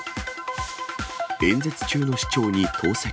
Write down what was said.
演説中の市長に投石。